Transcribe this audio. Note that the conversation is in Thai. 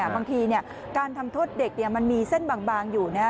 บางทีการทำโทษเด็กมันมีเส้นบางอยู่นะ